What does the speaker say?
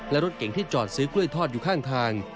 และรถเก่งที่จอดซื้อกล้วยทอดอยู่ข้างทาง